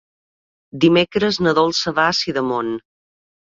Dimecres na Dolça va a Sidamon.